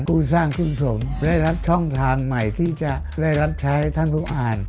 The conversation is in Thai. ผู้สร้างขึ้นสมได้รับช่องทางใหม่ที่จะได้รับใช้ท่านผู้อ่าน